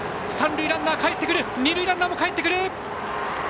三塁ランナーかえってくる二塁ランナーもかえってくる！